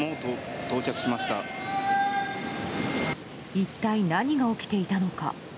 一体何が起きていたのか。